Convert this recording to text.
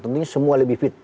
tentunya semua lebih fit